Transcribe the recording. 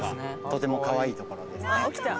とてもかわいいところですね